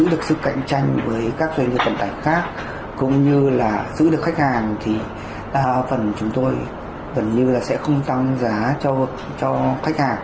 giữ được sự cạnh tranh với các doanh nghiệp vận tải khác cũng như là giữ được khách hàng thì đa phần chúng tôi gần như là sẽ không tăng giá cho khách hàng